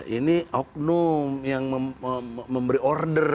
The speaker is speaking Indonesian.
ini oknum yang memberi order